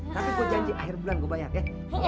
tapi gue janji akhir bulan gue bayar ya